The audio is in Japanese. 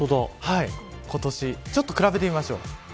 ちょっと比べてみましょう。